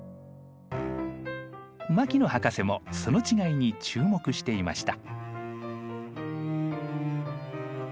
牧野博士もその違いに注目していました。